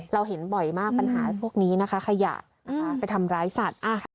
เราเห็นบ่อยมากปัญหาพวกนี้นะคะขยะไปทำร้ายสัตว์